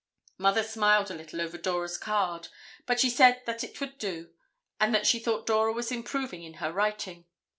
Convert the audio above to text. Mother smiled a little over Dora's card, but she said that it would do, and that she thought Dora was improving in her writing.